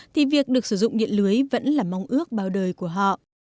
thì việc được sử dụng điện lưới vẫn là mong ước bao đời của họ